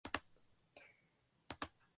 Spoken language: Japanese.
便于阅读